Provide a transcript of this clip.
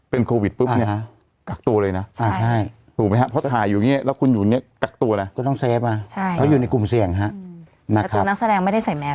เป็นโควิดปุ๊บนี้กักตัวเลยนะ